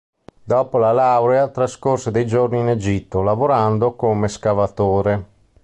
Dopo la laurea, trascorse dei giorni in Egitto, lavorando come scavatore.